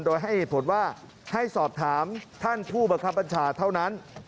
โดยให้เหตุผลว่าให้สอบถามท่านผู้บังคับบัญชาเท่านั้น